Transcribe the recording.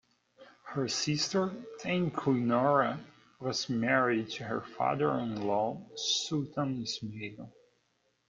Her sister, Tengku Nora, was married to her father-in-law, Sultan Ismail.